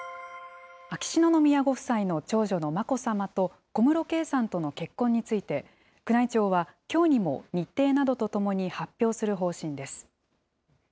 秋篠宮ご夫妻の長女の眞子さまと小室圭さんとの結婚について、宮内庁はきょうにも日程などとともに発表する方針です。